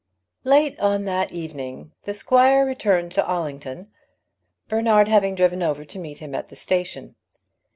Late on that evening the squire returned to Allington, Bernard having driven over to meet him at the station.